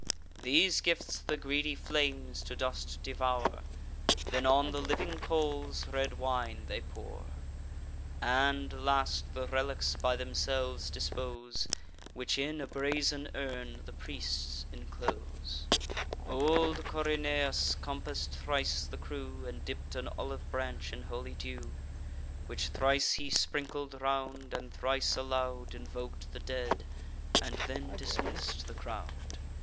These gifts the greedy flames to dust devour; Then on the living coals red wine they pour; And, last, the relics by themselves dispose, Which in a brazen urn the priests inclose. Old Corynaeus compass'd thrice the crew, And dipp'd an olive branch in holy dew; Which thrice he sprinkled round, and thrice aloud Invok'd the dead, and then dismissed the crowd.